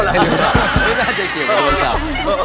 น่าจะเกี่ยวกับพระเจ้า